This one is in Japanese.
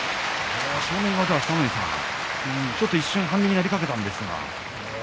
ちょっと一瞬半身になりかけたんですが。